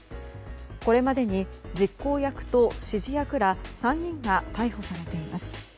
これまでに実行役と指示役ら３人が逮捕されています。